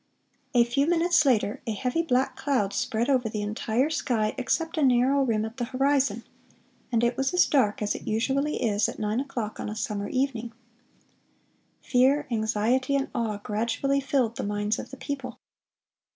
A few minutes later, a heavy black cloud spread over the entire sky except a narrow rim at the horizon, and it was as dark as it usually is at nine o'clock on a summer evening.... "Fear, anxiety, and awe gradually filled the minds of the people.